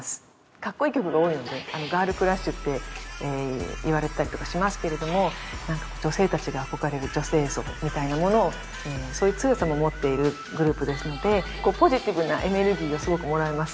カッコいい曲が多いのでガールクラッシュって言われたりとかしますけれども女性達が憧れる女性像みたいなものをそういう強さも持っているグループですのでポジティブなエネルギーをすごくもらいますね